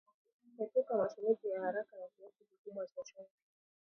Epuka matumizi ya haraka ya kiasi kikubwa cha chumvi